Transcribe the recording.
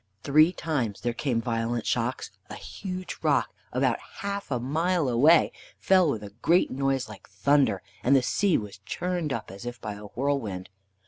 Three times there came violent shocks; a huge rock about half a mile away fell with a great noise like thunder, and the sea was churned up as if by a whirlwind.